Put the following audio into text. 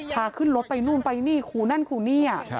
พาขึ้นรถไปนู่นไปนี่ครูนั่นคู่นี่